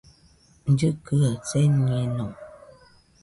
Llɨkɨaɨ señeno